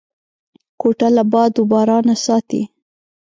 کوټه له باد و بارانه ساتي.